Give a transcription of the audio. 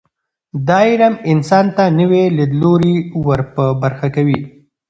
دا علم انسان ته نوي لیدلوري ور په برخه کوي.